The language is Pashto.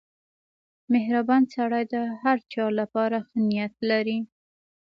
• مهربان سړی د هر چا لپاره ښه نیت لري.